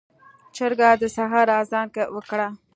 چرګ د سحر اذان وکړ.